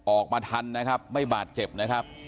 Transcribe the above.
ออกมาทันนะครับไม่บาดเจ็บนะครับ